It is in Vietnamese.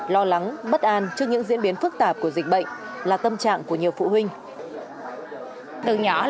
lo lắng bất an trước những diễn biến phức tạp của dịch bệnh là tâm trạng của nhiều phụ huynh